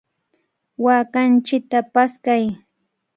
¡Waakanchikta paskay!